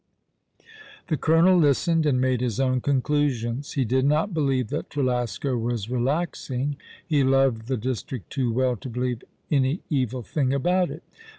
The colonel listened, and made his own conclusions. He did not believe that Trelasco was " relaxing." He loved the district too well to believe any evil thing about it.